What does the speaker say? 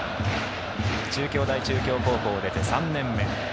中京大中京高校を出て３年目。